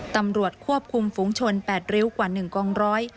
ตำรวจควบคุมฝูงชน๘ริ้วกว่า๑กองร้อย